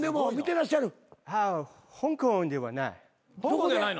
香港ではない。